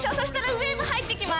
ウエーブ入ってきます